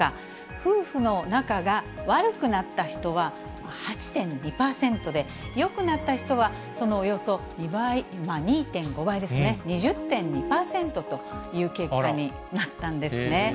夫婦の仲が悪くなった人は８．２％で、よくなった人はそのおよそ２．５倍ですね、２０．２％という結果になったんですね。